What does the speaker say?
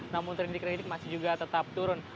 namun kredit kredit masih juga tetap turun